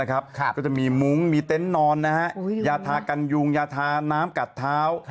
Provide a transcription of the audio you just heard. ก็จะมีมุ้งมีเต็นต์นอนยาทากันยุงยาทาน้ำกัดเท้า